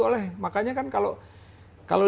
oleh makanya kan kalau